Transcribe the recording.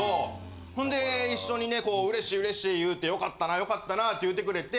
・え・ほんで一緒にね嬉しい嬉しい言うてよかったなよかったなって言うてくれて。